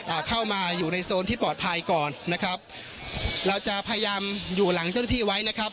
อ่าเข้ามาอยู่ในโซนที่ปลอดภัยก่อนนะครับเราจะพยายามอยู่หลังเจ้าหน้าที่ไว้นะครับ